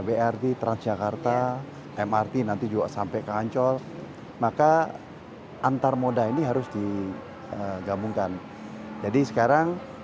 brt transjakarta mrt nanti juga sampai ke ancol maka antar moda ini harus digabungkan jadi sekarang